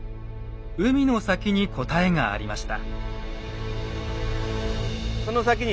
海の先に答えがありました。